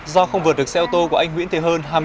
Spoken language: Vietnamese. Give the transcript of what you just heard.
do không vượt được xe ô tô của anh nguyễn thế hơn